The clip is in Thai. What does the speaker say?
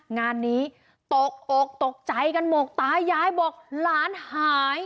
งานนี้ตกอกตกใจกันหมดตายายบอกหลานหาย